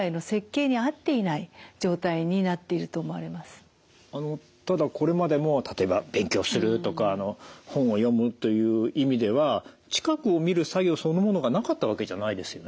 やはりそれには環境的な要因が大きくてただこれまでも例えば勉強するとか本を読むという意味では近くを見る作業そのものがなかったわけじゃないですよね？